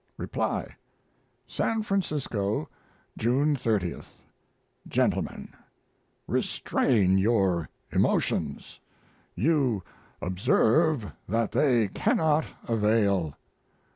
(REPLY) SAN FRANCISCO, June 30th. GENTLEMEN, Restrain your emotions; you observe that they cannot avail.